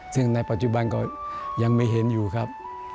ซึ่งในปัจจุบันก็ยังไม่เห็นอยู่ครับ